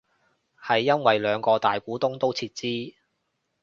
係因為兩個大股東都撤資